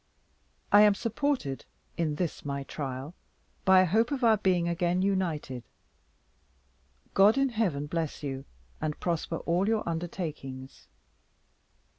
I am supported in this my trial, by a hope of our being again united. God in heaven bless you, and prosper all your undertakings.